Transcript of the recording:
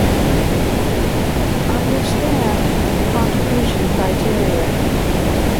Events of the "Blue Drop" series also happen in this city.